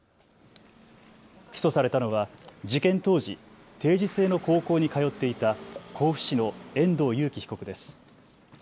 起訴されたのは事件当時、定時制の高校に通っていた甲府市の遠藤裕喜被告です。